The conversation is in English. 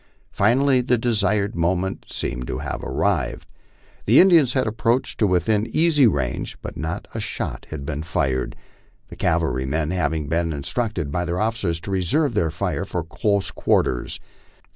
Finally, the desired moment seemed to have arrived. The Indians had approached to within easy range, yet not a shot had been fired, the cavalrymen having been in structed by their officers to reserve their fire for close quarters.